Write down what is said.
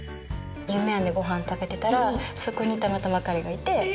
夢庵でごはん食べてたらそこにたまたま彼がいて。